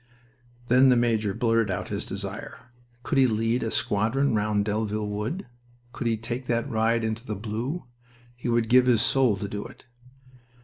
Then the major blurted out his desire. Could he lead a squadron round Delville Wood? Could he take that ride into the blue? He would give his soul to do it.